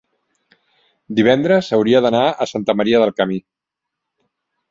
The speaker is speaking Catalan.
Divendres hauria d'anar a Santa Maria del Camí.